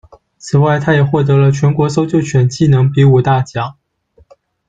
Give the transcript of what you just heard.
此外，它也获得了全国搜救犬技能比武大奖。